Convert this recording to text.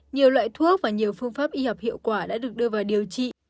nhiều loại thuốc và nhiều phương pháp y học hiệu quả đã được đưa vào điều trị